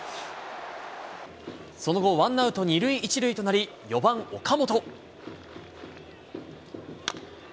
その後、ワンアウト２塁１塁となり、４番岡本。